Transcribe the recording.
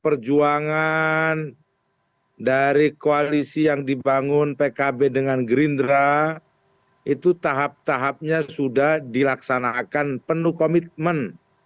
perjuangan dari koalisi yang dibangun pkb dengan gerindra itu tahap tahapnya sudah dilaksanakan penuh komitmen